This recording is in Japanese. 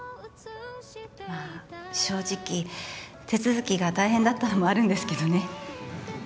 まあ正直手続きが大変だったのもあるんですけどね